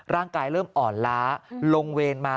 ร่างกายเริ่มอ่อนล้าลงเวรมา